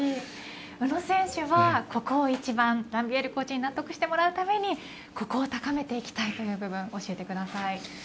宇野選手はここ一番ランビエールコーチに納得してもらうためにここを高めていきたいという部分を教えてください。